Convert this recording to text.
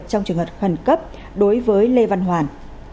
trong trường hợp khẩn cấp đối với lê văn hoàn